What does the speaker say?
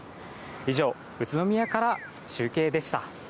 以上、宇都宮から中継でした。